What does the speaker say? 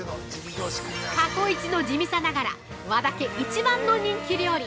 ◆過去一の地味さながら和田家一番の人気料理！